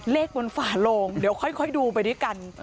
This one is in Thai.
เลขบนฝ่าโลงเดี๋ยวค่อยดูไปด้วยกัน